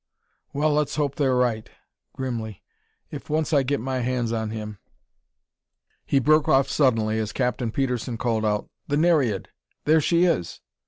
"Well, let's hope they're right!" grimly. "If once I get my hands on him " He broke off suddenly, as Captain Petersen called out: "The Nereid! There she is!"